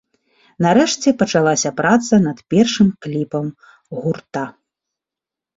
Нарэшце, пачалася праца над першым кліпам гурта.